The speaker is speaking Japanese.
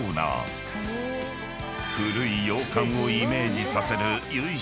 ［古い洋館をイメージさせる由緒正しき